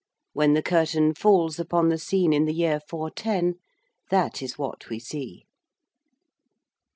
When the curtain falls upon the scene in the year 410 that is what we see.